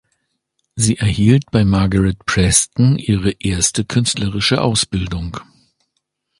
Sie erhielt bei Margaret Preston ihre erste künstlerische Ausbildung.